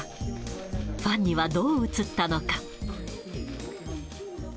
ファンにはどう映ったのか。